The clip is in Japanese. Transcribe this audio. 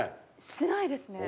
しないですね。